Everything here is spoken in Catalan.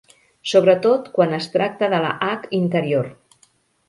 Sobretot quan es tracta de la hac interior.